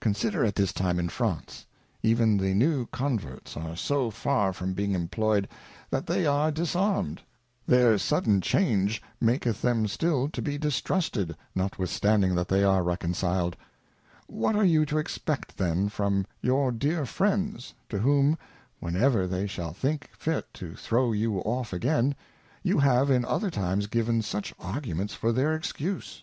Consider at this time in France, even the new Converts are so far from being imployed, that they are disarmed ; their sudden Change maketh them still to be distrusted, notwithstanding that they are reconciled ; What are you to expect then from your dear Friends, to whom, when ever they shall think fit to throw you off again, you have in other times given such Arguments for their excuse